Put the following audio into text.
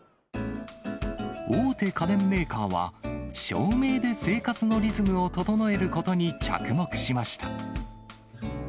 大手家電メーカーは、照明で生活のリズムを整えることに着目しました。